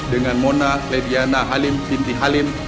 dengan mona lediana halim sinti halim